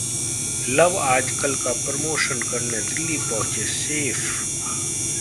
love आजकल Kal promotion करने दिल्ली पहुंचे सैफ